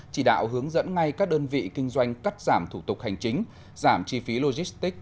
chỉ đạo hướng dẫn ngay các đơn vị kinh doanh cắt giảm thủ tục hành chính giảm chi phí logistics